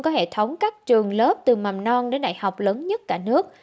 có hệ thống các trường lớp từ mầm non đến đại học lớn nhất cả nước